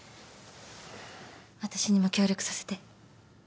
私にも協力させて。